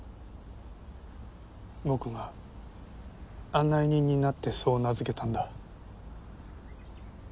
僕が案内人になってそう名付けたんだ。